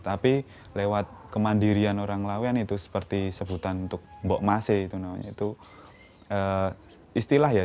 tapi lewat kemandirian orang lawen itu seperti sebutan untuk mbok mase itu namanya itu istilah ya